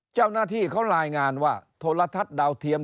เจ้าหน้าที่เขารายงานว่าโทรทัศน์ดาวเทียม